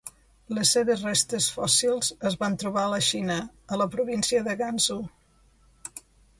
Les seves restes fòssils es van trobar a la Xina, a la província de Gansu.